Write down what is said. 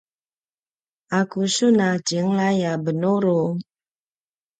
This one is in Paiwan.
aqu sun a tjenglay a benuru?